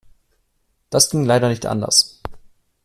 Das ging leider nicht anders.